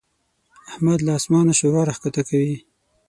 احمد له اسمانه ښوروا راکښته کوي.